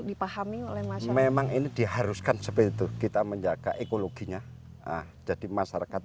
dipahami oleh mas memang ini diharuskan seperti itu kita menjaga ekologinya jadi masyarakat